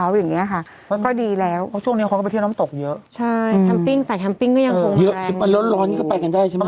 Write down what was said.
อย่างนี้ก็ดีแล้วมากก็ค่อนข้างน้ำตก่อนก็จะเห็น